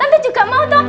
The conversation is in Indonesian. mbak kim juga mau tau